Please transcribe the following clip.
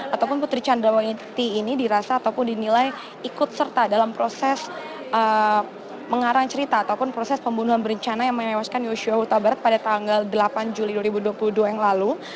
ataupun putri candrawati ini dirasa ataupun dinilai ikut serta dalam proses mengarang cerita ataupun proses pembunuhan berencana yang menewaskan yosua huta barat pada tanggal delapan juli dua ribu dua puluh dua yang lalu